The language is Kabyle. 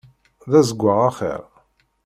D azeggaɣ axiṛ.